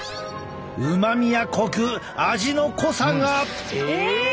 うまみやコク味の濃さが。え！